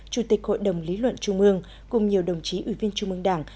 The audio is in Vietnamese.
chủ tịch hội đồng lý luận trung ương cùng nhiều đồng chí ủy viên trung ương đảng